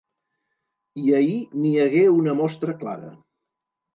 I ahir n’hi hagué una mostra clara.